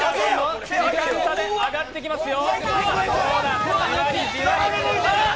時間差で上がってきますよ。